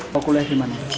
kok kuliah di mana